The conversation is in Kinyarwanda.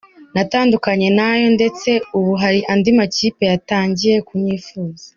Natandukanye nayo ndetse ubu hari andi makipe yatangiye kunyifuza.”